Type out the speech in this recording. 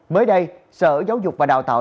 mới đây sở giáo dục và đào tạo